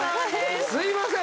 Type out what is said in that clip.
すいません